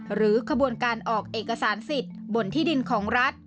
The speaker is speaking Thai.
ขบวนการออกเอกสารสิทธิ์บนที่ดินของรัฐ